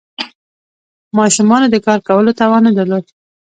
ماشومانو د کار کولو توان نه درلود.